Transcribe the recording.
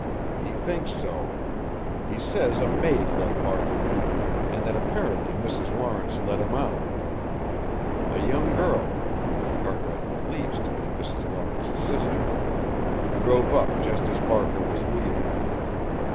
"He thinks so. He says a maid let Barker in and that apparently Mrs. Lawrence let him out. A young girl whom Cartwright believes to be Mrs. Lawrence's sister drove up just as Barker was leaving.